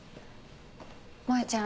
萌ちゃん